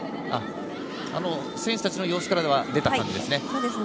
選手たちの様子からでは出た感じですね。